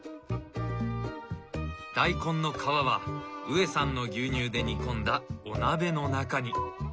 大根の皮はウエさんの牛乳で煮込んだお鍋の中に。